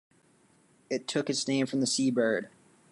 It took its name from the sea bird.